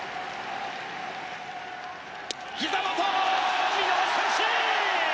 ひざ元、見逃し三振！